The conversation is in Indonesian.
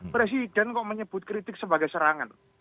presiden kok menyebut kritik sebagai serangan